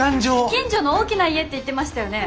近所の大きな家って言ってましたよね。